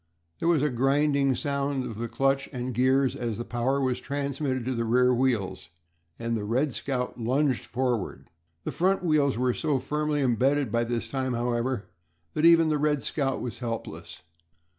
There was a grinding sound of clutch and gears as the power was transmitted to the rear wheels, and the "Red Scout" lunged forward. The front wheels were so firmly embedded by this time, however, that even the "Red Scout" was helpless.